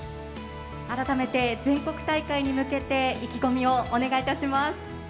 改めて全国大会に向けて意気込みをお願いいたします。